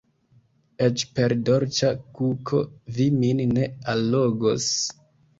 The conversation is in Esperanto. Eĉ per dolĉa kuko vi min ne allogos.